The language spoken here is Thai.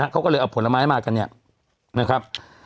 เขาก็เลยเอาผลไม้มากันเนี่ยนะครับ